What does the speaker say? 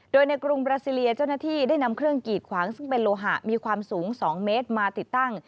โดยในกรุงบราซิเลียเจ้าหน้าที่ได้นำเครื่องกีดขวางซึ่งเป็นโลหะมีความสูง๒เมตรมาติดตั้ง